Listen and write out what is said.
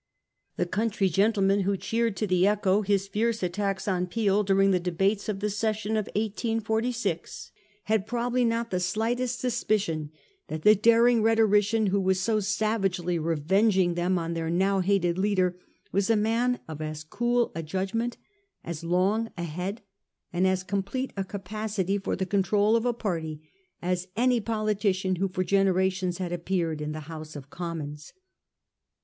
The country gentlemen who cheered to the echo his fierce attacks on Peel during the debates of the session of 1846, had probably not the slightest suspicion that the daring rhetorician who was so savagely revenging them on their now hated leader was a man of as cool a judgment, as long a head, and as complete a capacity for the control of a party as any politician who for generations had appeared in the House of Commons.